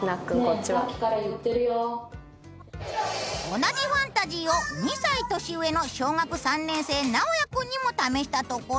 同じファンタジーを２歳年上の小学３年生なおやくんにも試したところ。